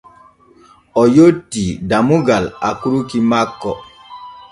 O yottii dammugal akurki makko.